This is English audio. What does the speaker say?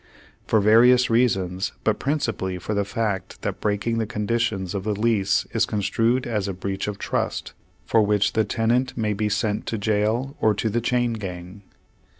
For various reasons, but principally for the fact that breaking the conditions of the lease is construed as a breach of trust, for which the tenant may be sent to jail or to the chain gang.